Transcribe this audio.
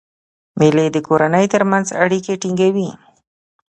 مېلې د کورنۍ ترمنځ اړیکي ټینګوي.